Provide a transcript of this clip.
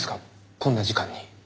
こんな時間に。